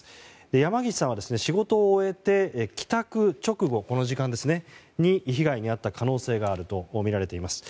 山岸さんは仕事を終えて帰宅直後に被害に遭った可能性があるとみられています。